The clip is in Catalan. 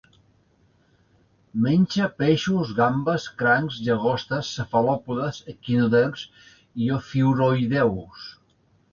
Menja peixos, gambes, crancs, llagostes, cefalòpodes, equinoderms i ofiuroïdeus.